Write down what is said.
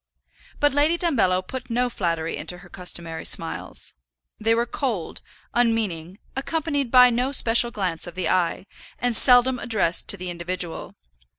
But Lady Dumbello put no flattery into her customary smiles. They were cold, unmeaning, accompanied by no special glance of the eye, and seldom addressed to the individual.